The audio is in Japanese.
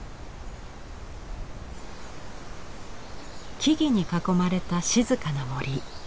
木々に囲まれた静かな森。